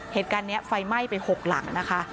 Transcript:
เหตุการณ์นี้ไฟไหม้ไป๖หลังนะคะ